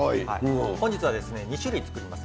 本日は２種類作ります。